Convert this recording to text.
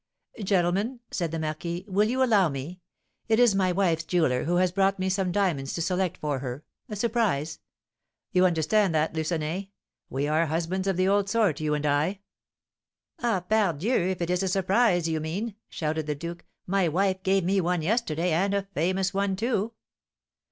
"Gentlemen," said the marquis, "will you allow me? it is my wife's jeweller, who has brought some diamonds to select for her, a surprise. You understand that, Lucenay? We are husbands of the old sort, you and I." "Ah, pardieu! If it is a surprise you mean," shouted the duke, "my wife gave me one yesterday, and a famous one too!"